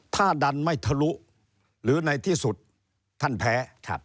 ถ้าดันไม่ทะลุหรือในที่สุดท่านแพ้